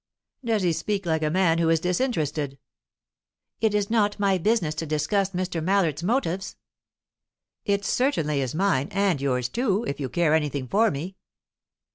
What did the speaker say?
"Does he speak like a man who is disinterested?" "It is not my business to discuss Mr. Mallard's motives." "It certainly is mine and yours too, if you care anything for me."